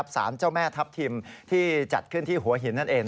สารเจ้าแม่ทัพทิมที่จัดขึ้นที่หัวหินนั่นเอง